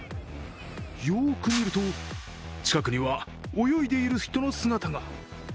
よくみると、近くには泳いでいる人の姿が。